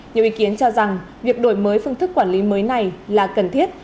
nhiều ý kiến cho rằng việc đổi mới phương thức quản lý mới này là cần thiết